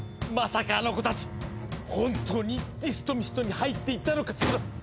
まさかあの子たち本当にディストミストに入っていったのかしら！